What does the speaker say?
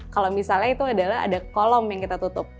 kalau misalnya itu adalah ada kolom yang kita tutup